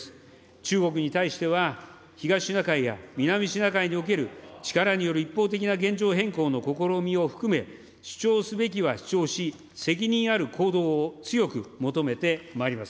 中国に対しては、東シナ海や南シナ海における力による一方的な現状変更の試みを含め、主張すべきは主張し、責任ある行動を強く求めてまいります。